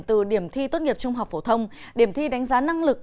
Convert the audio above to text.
từ điểm thi tốt nghiệp trung học phổ thông điểm thi đánh giá năng lực